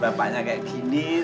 senang banget pak kedatangan bapak